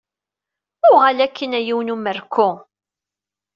Uɣal akk-in a yiwen umerku!